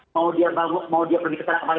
mau dia mau mau dia pergi ke sana kembali